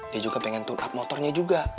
dia juga pengen tune up motornya juga